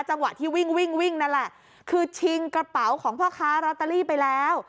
จังหวะที่วิ่งวิ่งวิ่งวิ่งนั่นแหละคือชิงกระเป๋าของพ่อค้ารอตเตอรี่ไปแล้ว